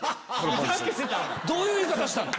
どういう言い方したの？